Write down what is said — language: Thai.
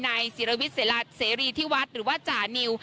นายศิริริสีระกาศวิริที่วัดหรือว่าจานิว